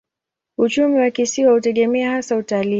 Uchumi wa kisiwa hutegemea hasa utalii.